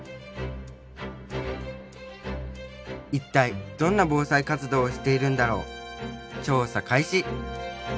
一体どんな防災活動をしているんだろう